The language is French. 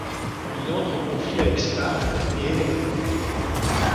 Il entre en conflit avec Sparte et est vaincu.